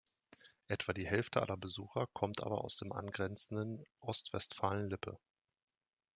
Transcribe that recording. Etwa die Hälfte aller Besucher kommt aber aus dem angrenzenden Ostwestfalen-Lippe.